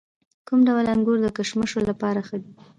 کوم ډول انګور د کشمشو لپاره ښه دي؟